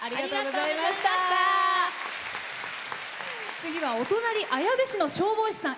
次はお隣、綾部市の消防士さん。